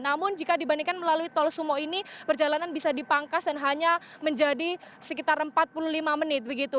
namun jika dibandingkan melalui tol sumo ini perjalanan bisa dipangkas dan hanya menjadi sekitar empat puluh lima menit begitu